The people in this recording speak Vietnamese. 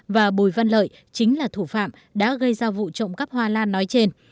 và bùi văn lợi chính là thủ phạm đã gây ra vụ trộm cắp hoa lan nói trên